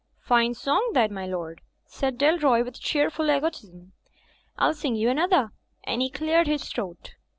'Tine song that, my lord,'' said Dalroy, with cheer ful egotism. "I'll sing you another," and he cleared his throat.